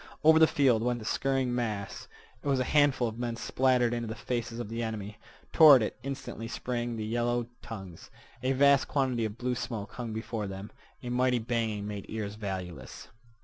Over the field went the scurrying mass. It was a handful of men splattered into the faces of the enemy. Toward it instantly sprang the yellow tongues. A vast quantity of blue smoke hung before them. A mighty banging made ears valueless.